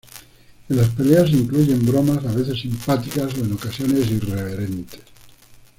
En las peleas se incluyen bromas a veces simpáticas o en ocasiones irreverentes.